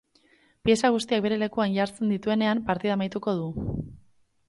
Pieza guztiak bere lekuan jartzen dituenean, partida amaituko du.